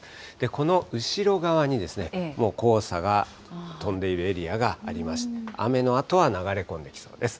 この後ろ側にですね、もう黄砂が飛んでいるエリアがありまして、雨のあとは流れ込んできそうです。